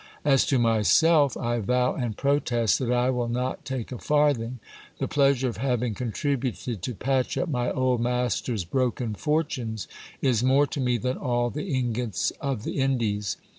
As to myself, I vow and protest that I will not take a farthing ; the pleasure of having contributed to patch up my old master's broken fortunes, is more to me than all the ingots of the Indies.